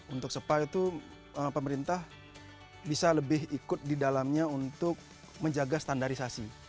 untuk spa itu pemerintah bisa lebih ikut di dalamnya untuk menjaga standarisasi